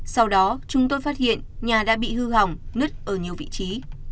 sau đó chúng tôi phát hiện nhà đã bị hư hỏng nứt ở nhiều vị trí